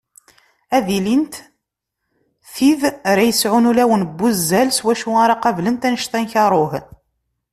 Ad ilint tid ara yesɛun ulawen n wuzzal s wacu ara qablent anect-a n karuh.